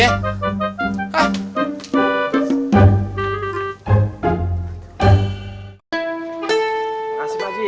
makasih pak haji